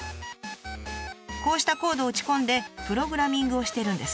こうしたコードを打ち込んでプログラミングをしてるんです。